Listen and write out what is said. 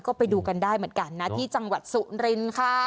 ก็ไปดูกันได้เหมือนกันนะที่จังหวัดสุรินค่ะ